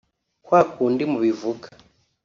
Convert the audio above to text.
kwa kundi mubivuga